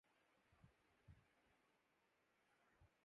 خصوصی رسائی دی گئی